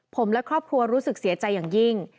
ผมและครอบครัวรู้สึกเสียใจอย่างยิ่ง